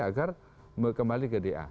agar kembali ke da